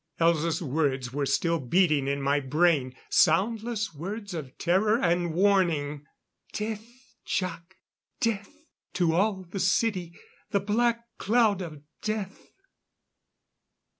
"_ Elza's words were still beating in my brain. Soundless words of terror and warning! _"Death, Jac! Death to all the city! The black cloud of death!"